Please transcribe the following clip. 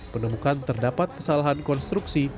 penemukan terdapat kesalahan konstruksi